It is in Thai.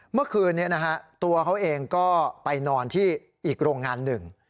เมื่อคืนนี้นะฮะตัวเขาเองก็ไปนอนที่อีกโรงงานหนึ่ง